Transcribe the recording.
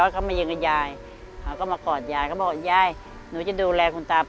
เขาช่วยยายดูกันแล้วกัน